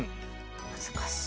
難しい。